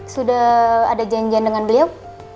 sudah ada janjian dengan beliau